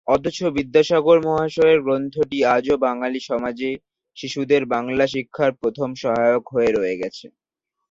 অথচ বিদ্যাসাগর মহাশয়ের গ্রন্থটি আজও বাঙালি সমাজে শিশুদের বাংলা শিক্ষার প্রথম সহায়ক হয়ে রয়ে গেছে।